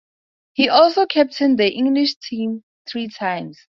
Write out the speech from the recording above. He also captained the English team three times.